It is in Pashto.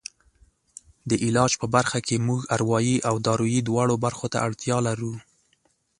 د علاج په برخه کې موږ اروایي او دارویي دواړو برخو ته اړتیا لرو.